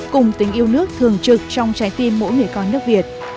cùng tình yêu nước thường trực trong trái tim mỗi người con nước việt